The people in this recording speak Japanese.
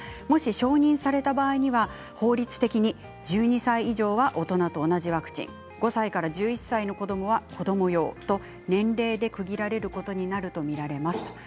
もし承認された場合は法律的に１２歳以上は大人と同じワクチン５歳から１１歳の子どもは子ども用と年齢で区切られることになると思います。